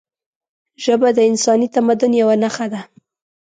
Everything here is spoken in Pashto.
ژبه د انساني تمدن یوه نښه ده